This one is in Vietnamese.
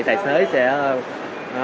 thì tài xế sẽ